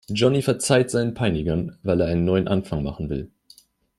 Jonny verzeiht seinen Peinigern, weil er einen neuen Anfang machen will.